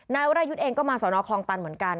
นายวรายุทธ์เองก็มาสอนอคลองตันเหมือนกัน